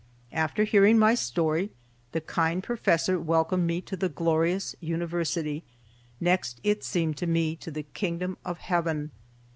After hearing my story, the kind professor welcomed me to the glorious University—next, it seemed to me, to the Kingdom of Heaven.